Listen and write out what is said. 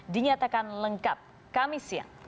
dinyatakan lengkap kamisian